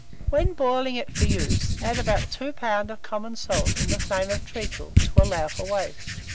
When boiling it for use, add about 2 lbs. of common salt, and the same of treacle, to allow for waste.